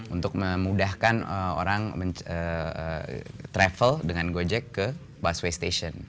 untuk memudahkan orang travel dengan gojek ke busway station